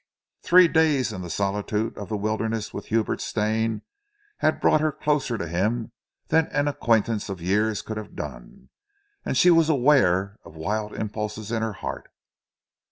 Three days in the solitude of the wilderness with Hubert Stane had brought her closer to him than an acquaintance of years could have done, and she was aware of wild impulses in her heart.